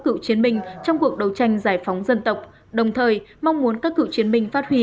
cựu chiến binh trong cuộc đấu tranh giải phóng dân tộc đồng thời mong muốn các cựu chiến binh phát huy